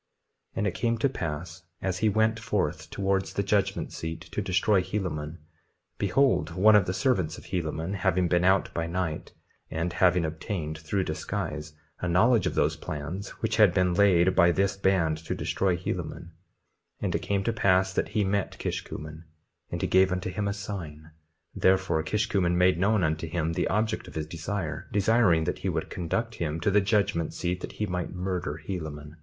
2:6 And it came to pass as he went forth towards the judgment seat to destroy Helaman, behold one of the servants of Helaman, having been out by night, and having obtained, through disguise, a knowledge of those plans which had been laid by this band to destroy Helaman— 2:7 And it came to pass that he met Kishkumen, and he gave unto him a sign; therefore Kishkumen made known unto him the object of his desire, desiring that he would conduct him to the judgment seat that he might murder Helaman.